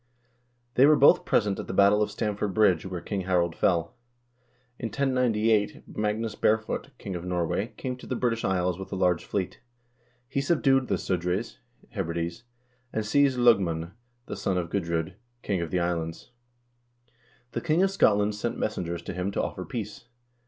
They were both present at the battle of Stamford Bridge, where King Harald fell. In 1098 Magnus Barefoot, king of Norway, came to the British Isles with a large fleet. He subdued the Sudreys (Hebrides), and seized L0gman, the son of Gudr0d, king of the Isles. The king of Scot land sent messengers to him to offer peace.